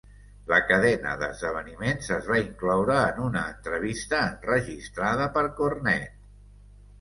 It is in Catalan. La cadena d'esdeveniments es va incloure en una entrevista enregistrada per Cornette.